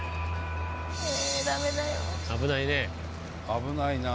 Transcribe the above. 危ないね。